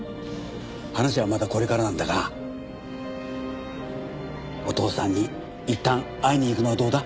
話はまだこれからなんだがお父さんにいったん会いに行くのはどうだ？